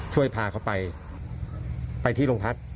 ช่วยพาเขาไปไปที่โรงพัก